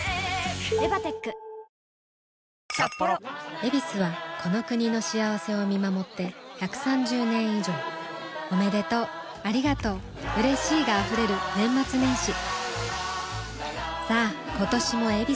「ヱビス」はこの国の幸せを見守って１３０年以上おめでとうありがとううれしいが溢れる年末年始さあ今年も「ヱビス」で